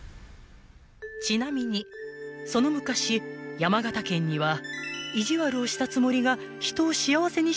［ちなみにその昔山形県には意地悪をしたつもりが］